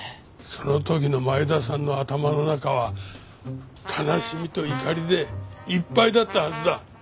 その時の前田さんの頭の中は悲しみと怒りでいっぱいだったはずだ。